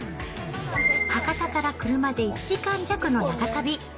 博多から車で１時間弱の長旅。